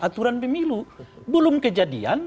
aturan pemilu belum kejadian